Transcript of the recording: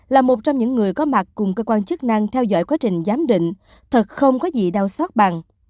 là một trong những người có mặt cùng cơ quan chức năng theo dõi quá trình giám định thật không có gì đau xót bằng